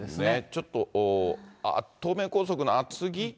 ちょっと東名高速の厚木？